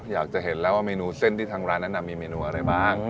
อยากจะเห็นแล้วว่าเมนูเส้นที่ทางร้านนั้นมีเมนูอะไรบ้าง